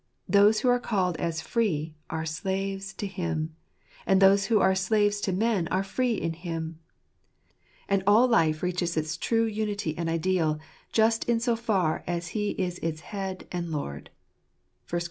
Those who are called as free, are slaves to Him 5 and those who are slaves to men are free in Him. And all life reaches its true unity and ideal just in so far as He is its Head, and Lord (1 Cor.